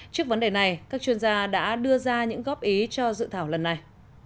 trước vấn đề này các chuyên gia đã đưa ra những góp ý cho dự thảo lần này